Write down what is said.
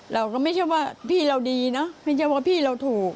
เราก็ไม่ใช่ว่าพี่เราดีเนอะไม่ใช่ว่าพี่เราถูก